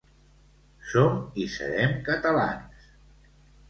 Som hi serem catalans